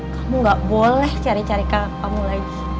kamu gak boleh cari cari kamu lagi